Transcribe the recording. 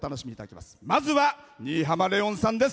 まずは、新浜レオンさんです。